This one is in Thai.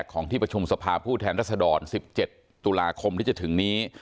ของที่ประชุมสภาผู้แทนรัศดร๑๗ตุลาคมที่จะถึงนี้